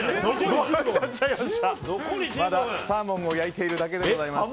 まだサーモンを焼いているだけでございます。